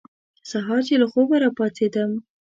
سهار چې له خوبه را پاڅېدم.